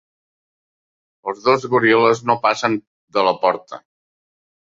Els dos goril·les no passen de la porta.